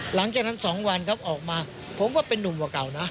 หลังจากนั้น๒วันครับออกมาผมก็เป็นนุ่มกว่าเก่านะ